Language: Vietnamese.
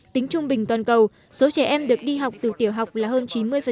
tính trung bình toàn cầu số trẻ em được đi học từ tiểu học là hơn chín mươi